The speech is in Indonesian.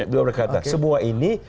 dia berkata semua ini